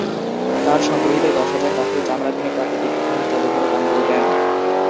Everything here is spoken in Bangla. তার সংগৃহীত দশ হাজার পাখির চামড়া তিনি প্রাকৃতিক ইতিহাস জাদুঘরে দান করে দেন।